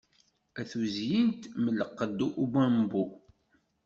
A tuzyint mm lqedd ubambu